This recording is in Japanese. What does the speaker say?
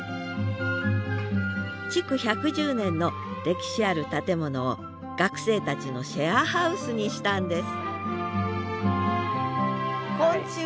築１１０年の歴史ある建物を学生たちのシェアハウスにしたんですこんちは。